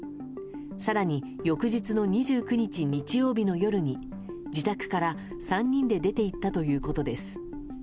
更に翌日の２９日、日曜日の夜に自宅から３人で出て行ったということです。